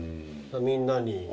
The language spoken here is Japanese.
みんなに。